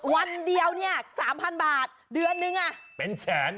วันเดียวเนี่ย๓๐๐๐บาทเดือนนึงเป็นแสน